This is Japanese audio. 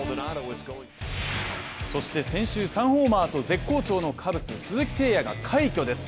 そして先週３ホーマーと絶好調のカブス・鈴木誠也が快挙です